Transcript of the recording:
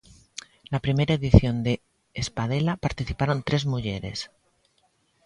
Na primeira edición de Espadela participaron tres mulleres.